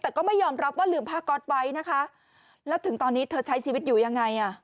แต่ก็ไม่ยอมรับว่าลืมผ้าก๊อตไว้นะคะแล้วถึงตอนนี้เธอใช้ชีวิตอยู่ยังไงอ่ะ